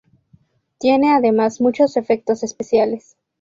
Tiene además muchos efectos especiales.